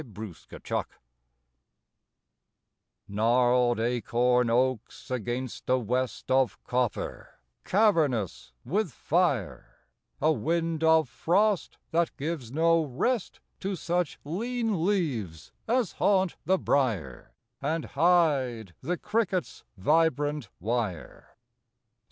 DROUTH IN AUTUMN Gnarled acorn oaks against a west Of copper, cavernous with fire; A wind of frost that gives no rest To such lean leaves as haunt the brier, And hide the cricket's vibrant wire.